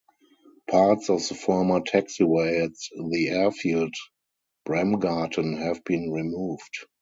Parts of the former taxiway at the airfield Bremgarten have been removed.